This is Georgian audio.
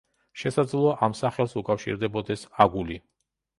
შესაძლოა ამ სახელს უკავშირდებოდეს „აგული“.